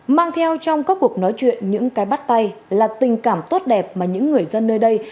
mang theo trong các cuộc nói chuyện những cái bắt tay là tình cảm tốt đẹp mà những người dân nơi đây